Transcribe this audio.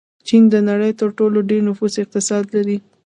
چین د نړۍ تر ټولو ډېر نفوس اقتصاد لري.